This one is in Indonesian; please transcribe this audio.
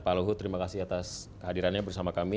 pak luhut terima kasih atas kehadirannya bersama kami